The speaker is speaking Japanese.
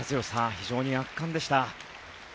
非常に圧巻でした。